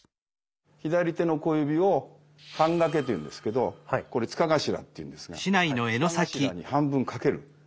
左手の小指を半掛けというんですけどこれ柄頭というんですが柄頭に半分掛ける。